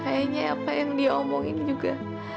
kayaknya apa yang dia omongin juga